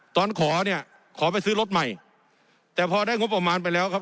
ตอนขอเนี่ยขอไปซื้อรถใหม่แต่พอได้งบประมาณไปแล้วครับ